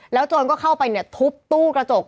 โจรก็เข้าไปเนี่ยทุบตู้กระจก